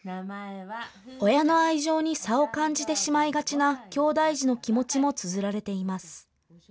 親の愛情に差を感じてしまいがちなきょうだい児の気持ちもつづられています。